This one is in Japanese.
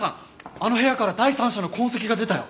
あの部屋から第三者の痕跡が出たよ。